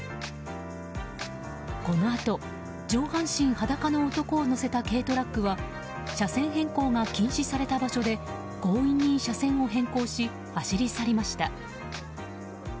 このあと、上半身裸の男を乗せた軽トラックは車線変更が禁止された場所で強引に車線を変更し走り去りました。